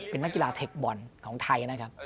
เป็นนักกีฬาเทคบอลของไทยนะครับ